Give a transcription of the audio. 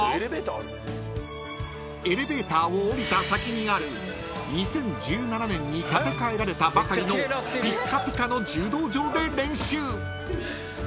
［エレベーターを降りた先にある２０１７年に建て替えられたばかりのピッカピカの柔道場で練習］